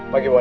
pagi bu din